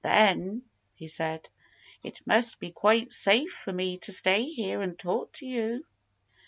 "Then," he said, "it must be quite safe for me to stay here and talk with you."